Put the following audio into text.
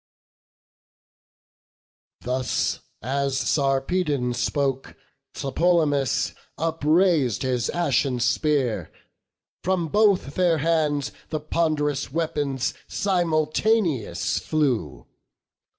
Thus as Sarpedon spoke, Tlepolemus Uprais'd his ashen spear; from both their hands The pond'rous weapons simultaneous flew.